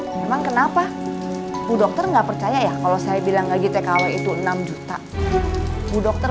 memang kenapa bu dokter nggak percaya ya kalau saya bilang lagi tkw itu enam juta bu dokter